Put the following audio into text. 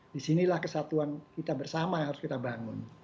disinilah kesatuan kita bersama yang harus kita bangun